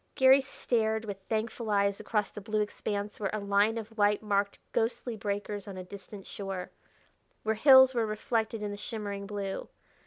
Garry stared with thankful eyes across the blue expanse where a line of white marked ghostly breakers on a distant shore; where hills were reflected in the shimmering blue.